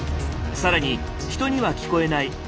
更に人には聞こえない